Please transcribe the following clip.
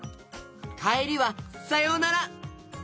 かえりは「さようなら」。